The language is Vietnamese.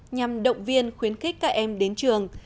nhằm động viên khuyến khích các em đến trường